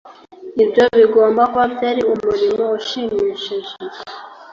ibyo bigomba kuba byari umurimo ushimishije